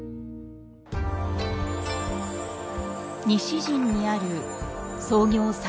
西陣にある創業